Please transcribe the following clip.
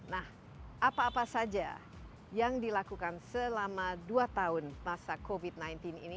nah apa apa saja yang dilakukan selama dua tahun masa covid sembilan belas ini